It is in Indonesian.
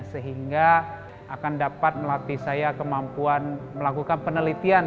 sehingga akan dapat melatih saya kemampuan melakukan penelitian